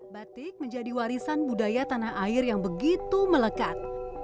batik menjadi warisan budaya tanah air yang begitu melekat